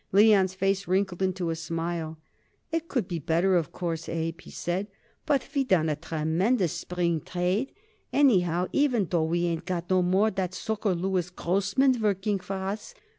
Leon's face wrinkled into a smile. "It could be better, of course, Abe," he said, "but we done a tremendous spring trade, anyhow, even though we ain't got no more that sucker Louis Grossman working for us.